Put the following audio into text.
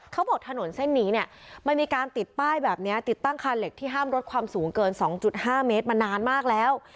ถนนเส้นนี้เนี่ยมันมีการติดป้ายแบบนี้ติดตั้งคานเหล็กที่ห้ามลดความสูงเกิน๒๕เมตรมานานมากแล้ว